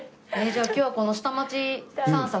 じゃあ今日はこの下町散策？